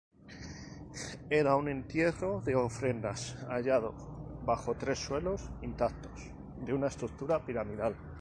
Era un entierro de ofrendas, hallado bajo tres suelos intactos de una estructura piramidal.